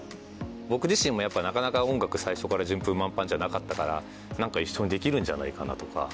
僕自身もやっぱなかなか音楽最初から順風満帆じゃなかったから何か一緒にできるんじゃないかなとか。